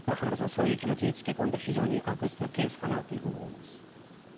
そういう気持ちに付け込んだ非常に悪質なケースかなと思います。